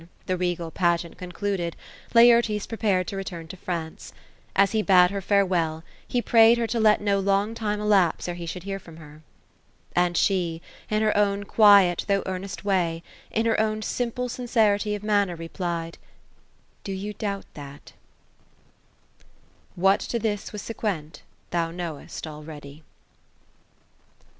— the regal pageant concluded, — Laertes prepared to return to France. As he bade her farewell, be prayed her to let no long time elapse ere he should hear from her. And she, in her own quiet, though earnest way, in her own simple sincerity of manner, replied: —'^ Do you doubt thatV' ^ What to this was sequent thou knoVst already."